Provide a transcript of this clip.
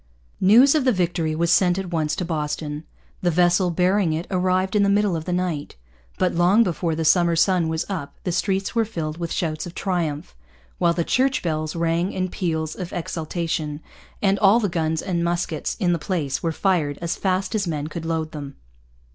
News of the victory was sent at once to Boston. The vessel bearing it arrived in the middle of the night. But long before the summer sun was up the streets were filled with shouts of triumph, while the church bells rang in peals of exultation, and all the guns and muskets in the place were fired as fast as men could load them.